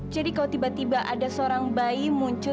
jadi kalau tiba tiba ada seorang bayi muncul